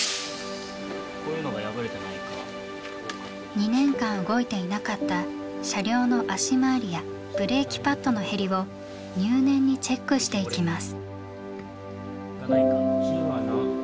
２年間動いていなかった車両の足回りやブレーキパッドの減りを入念にチェックしていきます。